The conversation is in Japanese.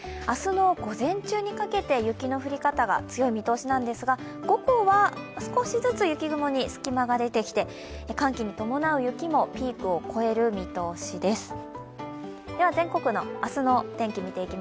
明日の午前中にかけて雪の降り方が強い見通しなんですが午後は、少しずつ雪雲に隙間が出てきて、寒気に伴う雪もピークを越える見通しです。